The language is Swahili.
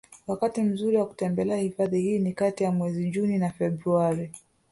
Wakati mzuri wa kutembelea hifadhi hii ni kati ya mwezi Juni na Februari